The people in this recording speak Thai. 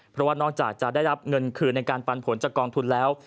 เพราะว่านอกจากจะได้รับเงินคืนในการปันผลจากกองทุนแล้ว